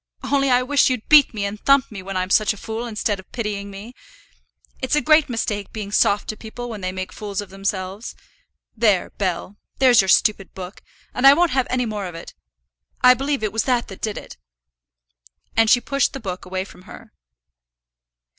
Only I wish you'd beat me and thump me when I'm such a fool, instead of pitying me. It's a great mistake being soft to people when they make fools of themselves. There, Bell; there's your stupid book, and I won't have any more of it. I believe it was that that did it." And she pushed the book away from her.